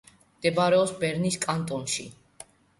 მდებარეობს ბერნის კანტონში.